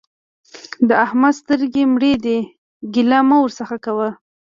د احمد سترګې مړې دي؛ ګيله مه ورڅخه کوه.